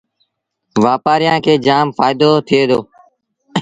وآپآريآݩ کي جآم ڦآئيٚدو ٿئي دو